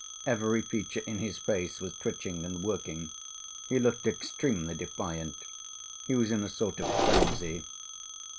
Every feature in his face was twitching and working; he looked extremely defiant. He was in a sort of frenzy.